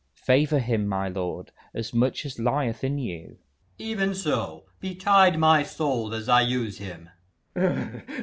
_ Favour him, my lord, as much as lieth in you. Berk. Even so betide my soul as I use him!